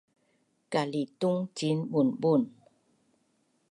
kalitung ciin bunbun